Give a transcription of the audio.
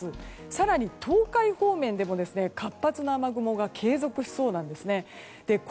更に、東海方面でも活発な雨雲が継続しそうです。